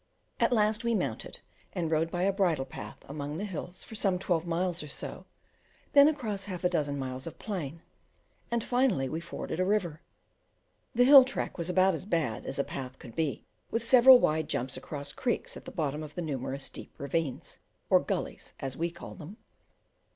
At last we mounted and rode by a bridle path among the hills for some twelve miles or so, then across half a dozen miles of plain, and finally we forded a river. The hill track was about as bad as a path could be, with several wide jumps across creeks at the bottom of the numerous deep ravines, or gullies as we call them.